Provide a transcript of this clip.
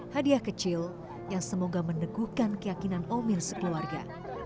hadiah kecil yang semoga meneguhkan keyakinan omin sekeluarga